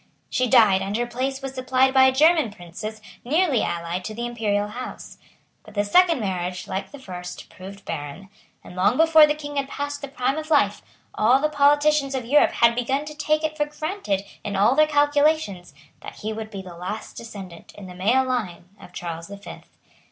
She died; and her place was supplied by a German princess nearly allied to the Imperial House. But the second marriage, like the first, proved barren; and, long before the King had passed the prime of life, all the politicians of Europe had begun to take it for granted in all their calculations that he would be the last descendant, in the male line, of Charles the Fifth.